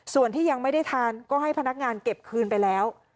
ส่วนที่ยังไม่ได้ทานก็ให้พนักงานเก็บคืนไปแล้ว